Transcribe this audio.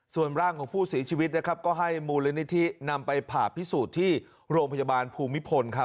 ส่วนร่างของผู้เสียชีวิตนะครับก็ให้มูลนิธินำไปผ่าพิสูจน์ที่โรงพยาบาลภูมิพลครับ